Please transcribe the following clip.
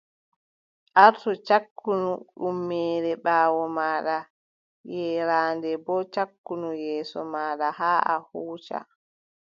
Artu cakkinu ƴummere ɓaawo maaɗa, yeeraande boo cakkinu yeeso maaɗa haa a huuca.